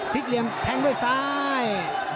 เหลี่ยมแทงด้วยซ้าย